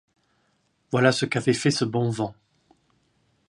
Voilà ce qu’avait fait ce bon vent !